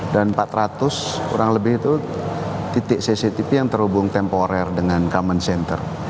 dan empat ratus kurang lebih itu titik cctv yang terhubung temporer dengan common center